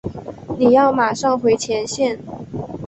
你要马上回前线。